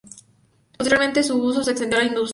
Posteriormente su uso se extendió a la industria.